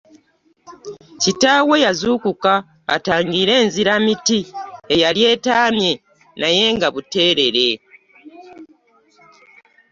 Kitaawe yazuukuka atangire enziramiti eyali etaamye naye nga buteerere.